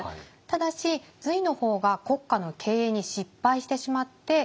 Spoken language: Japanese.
ただし隋の方が国家の経営に失敗してしまって。